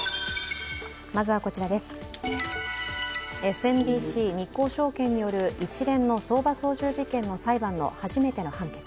ＳＭＢＣ日興証券による一連の相場操縦事件の裁判の初めての判決。